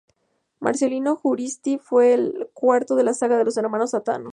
Marcelino Juaristi fue el cuarto de la saga de los hermanos "Atano".